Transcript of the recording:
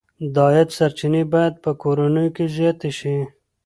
د عاید سرچینې باید په کورنیو کې زیاتې شي.